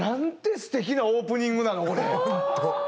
すてきなオープニングなの？